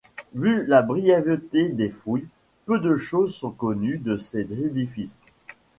Vu la brièveté des fouilles, peu de choses sont connues de ces édifices.